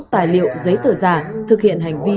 tài liệu giấy tờ giả thực hiện hành vi